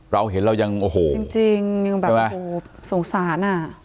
เราเห็นเรายังโอ้โหใช่ไหมสงสารน่ะจริง